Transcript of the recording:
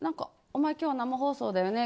おまえ今日、生放送だよね。